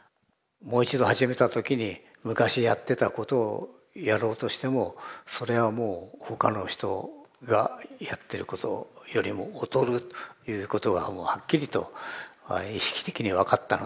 もう一度始めた時に昔やってたことをやろうとしてもそれはもう他の人がやってることよりも劣るということがもうはっきりと意識的に分かったのね。